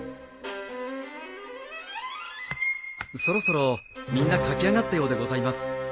そろそろみんな書き上がったようでございます。